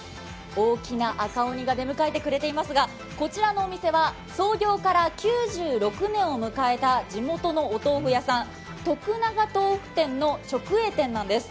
大きな赤鬼が出迎えてくれていますが、こちらのお店は創業から９６年を迎えた地元のお豆腐屋さん、徳永豆腐店の直営店なんです。